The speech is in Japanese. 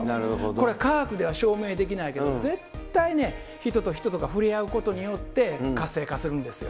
これ、科学では証明できないけど、絶対ね、人と人とが触れ合うことによって、活性化するんですよ。